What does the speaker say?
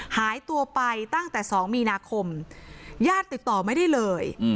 หายตัวไปตั้งแต่๒มีนาคมญาติติดต่อไม่ได้เลย